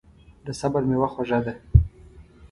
د صبر میوه خوږه ده.